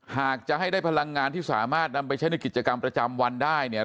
หากจะให้ได้พลังงานที่สามารถนำไปใช้ในกิจกรรมประจำวันได้เนี่ย